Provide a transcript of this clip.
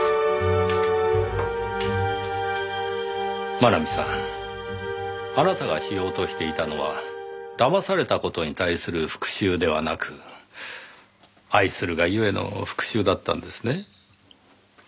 真奈美さんあなたがしようとしていたのはだまされた事に対する復讐ではなく愛するがゆえの復讐だったんですね。